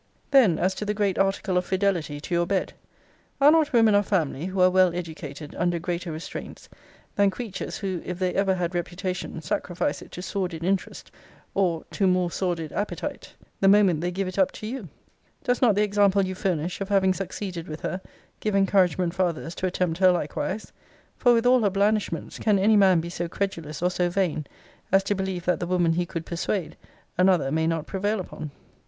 Then as to the great article of fidelity to your bed Are not women of family, who are well educated, under greater restraints, than creatures, who, if they ever had reputation, sacrifice it to sordid interest, or to more sordid appetite, the moment they give it up to you? Does not the example you furnish, of having succeeded with her, give encouragement for others to attempt her likewise? For with all her blandishments, can any man be so credulous, or so vain, as to believe, that the woman he could persuade, another may not prevail upon?